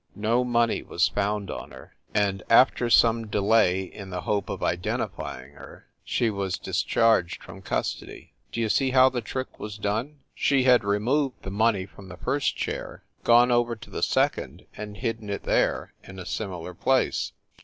No money was found on her, and, after some delay, in the hope of identifying her, she was discharged from cus tody. D you see how the trick was done ? She had 284 FIND THE WOMAN removed the money from the first chair, gone over to the second and hidden it there, in a similar place.